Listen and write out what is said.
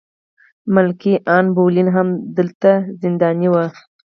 ملکې ان بولین هم دلته زنداني وه.